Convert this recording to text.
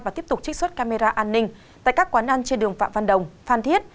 và tiếp tục trích xuất camera an ninh tại các quán ăn trên đường phạm văn đồng phan thiết